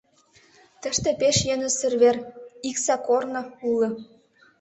Тыште пеш йӧнысыр вер — Икса корно — уло...